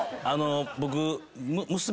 僕。